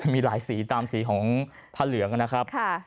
มีหลายสีตามสีของผ้าเหลืองนะครับ